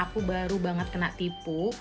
aku baru banget kena tipu